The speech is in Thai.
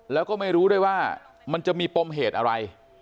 แล้วก็ไม่รู้ด้วยว่ามันจะมีปมเหตุอะไร